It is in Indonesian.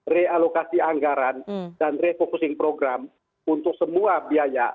realokasi anggaran dan refocusing program untuk semua biaya